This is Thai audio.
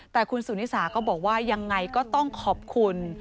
แต่คุณสุนิสาก็บอกว่ายังไงก็ต้องขอบคุณ